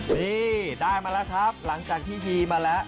นี่ได้มาแล้วครับหลังจากที่ดีมาแล้ว